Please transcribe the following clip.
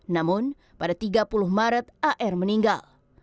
namun pada tiga puluh maret ar meninggal